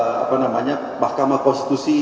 apa namanya mahkamah konstitusi